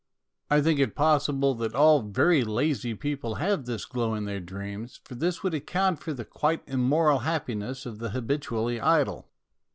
I think it possible that all very lazy people have this glow in their dreams, for this would account for the quite immoral happiness of the habitually idle.